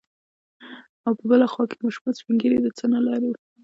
او په بله خوا کې ماشومان، سپين ږيري، د څه نه لرو.